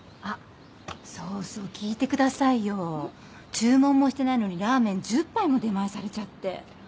注文もしてないのにラーメン１０杯も出前されちゃって。